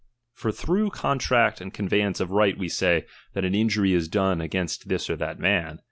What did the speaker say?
For through contract and con vejance of right, we say, that an injury is done against this « dial man.